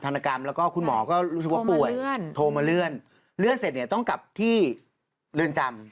กรรมแล้วก็คุณหมอก็รู้สึกว่าป่วยโทรมาเลื่อนเลื่อนเสร็จเนี่ยต้องกลับที่เรือนจำ